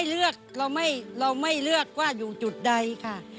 เลือกเราไม่เลือกว่าอยู่จุดใดค่ะ